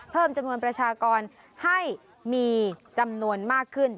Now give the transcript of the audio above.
เพิ่มจำนวนประชากรให้มีจำนวนมากขึ้น